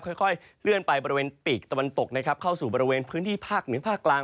ค่อยเลื่อนไปบริเวณปีกตะวันตกนะครับเข้าสู่บริเวณพื้นที่ภาคเหนือภาคกลาง